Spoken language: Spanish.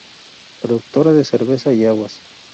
Productora de cerveza y aguas.